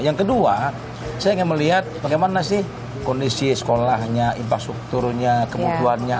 yang kedua saya ingin melihat bagaimana sih kondisi sekolahnya infrastrukturnya kebutuhannya